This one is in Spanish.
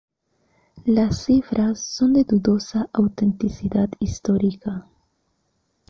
Las cifras son de dudosa autenticidad histórica.